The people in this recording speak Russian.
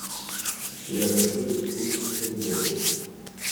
Я хочу быть в курсе всех дел.